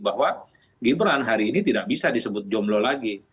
bahwa gibran hari ini tidak bisa disebut jomblo lagi